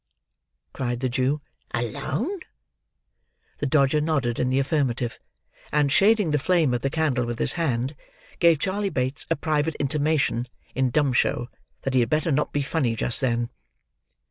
cried the Jew, "alone?" The Dodger nodded in the affirmative, and, shading the flame of the candle with his hand, gave Charley Bates a private intimation, in dumb show, that he had better not be funny just then.